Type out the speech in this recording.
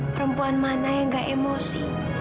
perempuan mana yang gak emosi